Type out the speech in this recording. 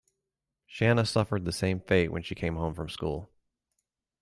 Shannah suffered the same fate when she came home from school.